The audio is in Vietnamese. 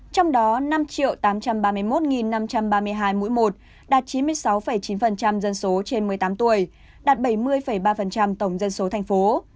trong đó năm tám trăm ba mươi một năm trăm ba mươi hai mũi một đạt chín mươi sáu chín dân số trên một mươi tám tuổi đạt bảy mươi ba tổng dân số thành phố